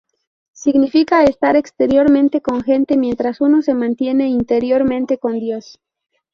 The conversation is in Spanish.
Significa estar exteriormente con gente mientras uno se mantiene interiormente con Dios.